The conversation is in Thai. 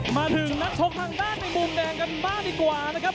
มาถึงนักชกทางด้านในมุมแดงกันบ้างดีกว่านะครับ